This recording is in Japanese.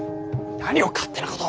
何を勝手なことを。